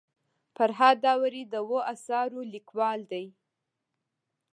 فرهاد داوري د اوو اثارو لیکوال دی.